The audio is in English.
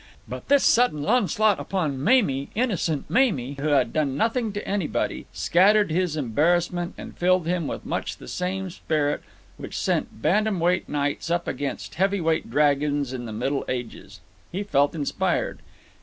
But this sudden onslaught upon Mamie, innocent Mamie who had done nothing to anybody, scattered his embarrassment and filled him with much the same spirit which sent bantam weight knights up against heavy weight dragons in the Middle Ages. He felt inspired.